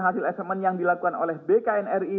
hasil assessment yang dilakukan oleh bknri